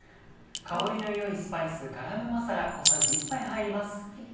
香りの良いスパイスガラムマサラ小さじ１杯入ります。